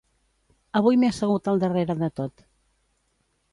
Avui m'he assegut al darrere de tot